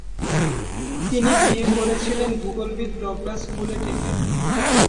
তিনি বিয়ে করেছিলেন ভূগোলবিদ ডগলাস হোলেটেকে।